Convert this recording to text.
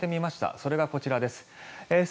それがこちらです。